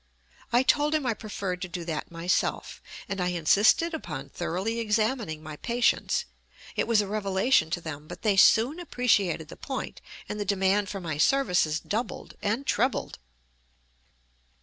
I told him I preferred to do that myself; and I insisted upon thoroughly examining my patients. It was a revelation to them, but they soon appreciated the point, and the demand for my services doubled and trebled.